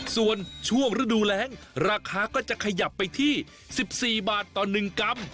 ส่วนช่วงฤดูแรงราคาก็จะขยับไปที่๑๔บาทต่อ๑กรัม